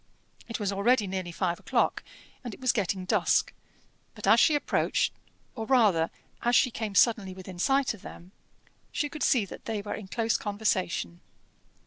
It was already nearly five o'clock, and it was getting dusk; but as she approached, or rather as she came suddenly within sight of them, she could see that they were in close conversation.